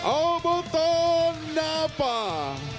อัลเบิ้ลตอร์นาป่า